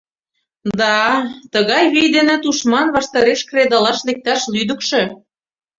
— Да-а, тыгай вий дене тушман ваштареш кредалаш лекташ лӱдыкшӧ.